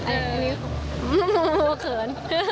อันนี้ของโอ้โฮเคิร์น